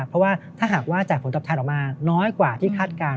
เพราะว่าถ้าหากว่าจากผลตอบแทนออกมาน้อยกว่าที่คาดการณ